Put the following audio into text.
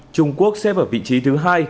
trung quốc xếp ở vị trí thứ hai